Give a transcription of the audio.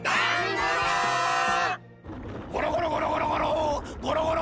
ゴロゴロゴロゴロゴロ！